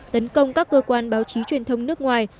tấn công các cơ quan báo chí truyền thông nước ngoài